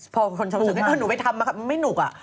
พอคนชอบว่าอ๋อหนูไม่ทำอะมันไม่หนุกอะ